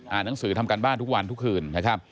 อ่านหนังสือทำการบ้านทุกวันทุกคืน